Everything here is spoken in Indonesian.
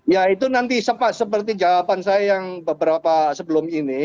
ya itu nanti seperti jawaban saya yang beberapa sebelum ini